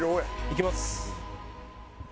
いきます。